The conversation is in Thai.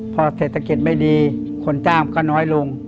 พอเศรษฐกิจไม่ดีคนจ้างก็น้อยลง